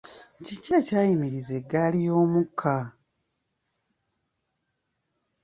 Kiki ekyayimiriza eggaali y'omukka?